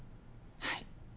はい。